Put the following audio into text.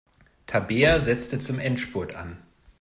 Tabea setzte zum Endspurt an.